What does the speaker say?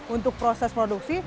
untuk proses produksi